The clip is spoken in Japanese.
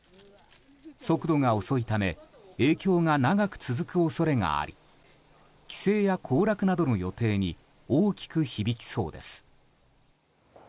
速度が遅いため影響が長く続く恐れがあり帰省や行楽などの予定に大きく響きそうです。